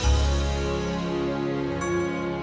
terima kasih om